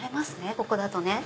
ここだとね。